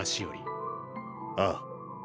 ああ。